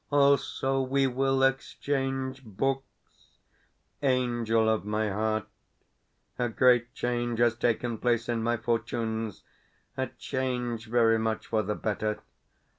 Also, we will exchange books.... Angel of my heart, a great change has taken place in my fortunes a change very much for the better.